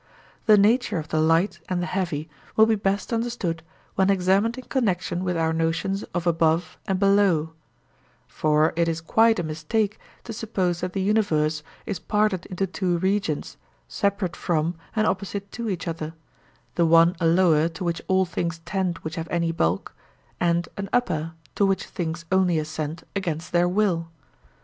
The nature of the light and the heavy will be best understood when examined in connexion with our notions of above and below; for it is quite a mistake to suppose that the universe is parted into two regions, separate from and opposite to each other, the one a lower to which all things tend which have any bulk, and an upper to which things only ascend against their will.